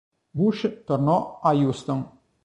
Bush tornò a Houston.